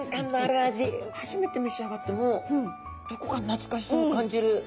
初めて召し上がってもどこか懐かしさを感じる。